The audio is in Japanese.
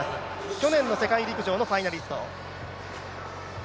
去年の世界陸上のファイナリスト。